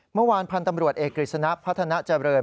เมื่อวานพันธ์ตำรวจเอกกฤษณะพัฒนาเจริญ